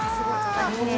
「きれい」